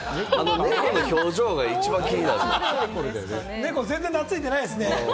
猫、全然なついてないですね。